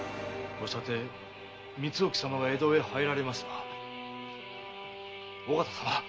ご舎弟・光意様が江戸へ入られますが尾形様！